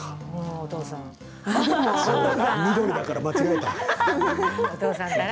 お父さん！